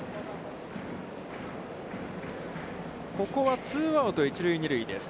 ここはツーアウト、一塁二塁です。